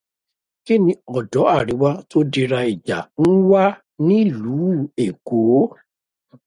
Kí ni ọ̀dọ́ àríwá tó dirá ìjà ń wá nílùú Ẹ̀kọ́?